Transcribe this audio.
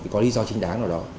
có lý do chính đáng nào đó